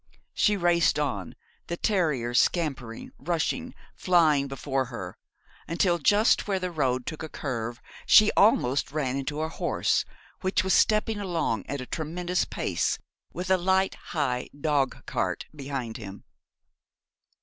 She raced on, the terriers scampering, rushing, flying before her, until, just where the road took a curve, she almost ran into a horse, which was stepping along at a tremendous pace, with a light, high dogcart behind him.